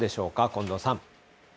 近藤さん。